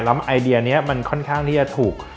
แล้วไอเดียนี้มันค่อนข้างที่จะถูก